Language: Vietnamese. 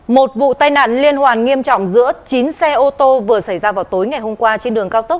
một vụ tai nạn liên hoàn nghiêm trọng giữa chín xe ô tô vừa xảy ra vào tối ngày hôm qua trên đường cao tốc